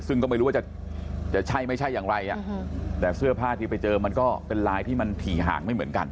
ซึ่งก็ไม่รู้ว่าจะใช่ไม่ใช่อย่างไรแต่เสื้อผ้าที่ไปเจอมันก็เป็นลายที่มันถี่ห่างไม่เหมือนกัน